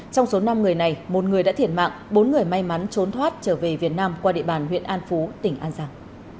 trong số năm người này một người đã thiệt mạng bốn người may mắn trốn thoát trở về việt nam qua địa bàn huyện an phú tỉnh an giang